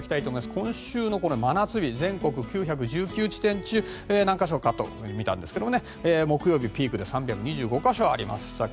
今週の真夏日全国９１７地点中何か所かというのを見たんですが木曜日はピークで３２５か所あります。